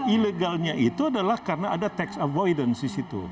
ilegalnya itu adalah karena ada tax avoidance di situ